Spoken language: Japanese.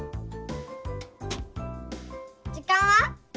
じかんは？